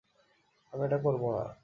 আমি এটা করব না!